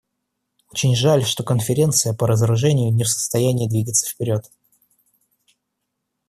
Очень жаль, что Конференция по разоружению не в состоянии двигаться вперед.